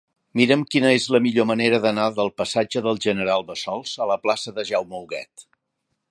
Mira'm quina és la millor manera d'anar de la passatge del General Bassols a la plaça de Jaume Huguet.